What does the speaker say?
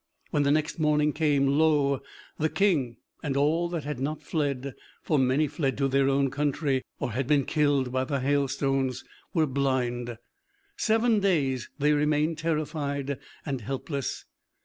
When the next morning came, lo! the King and all that had not fled for many fled to their own country or been killed by the hailstones, were blind. Seven days they remained terrified and helpless.